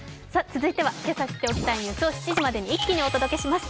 続いてはけさ知っておきたいニュースを７時までに一気にお届けします。